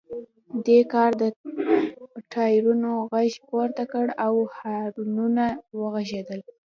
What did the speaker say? دې کار د ټایرونو غږ پورته کړ او هارنونه وغږیدل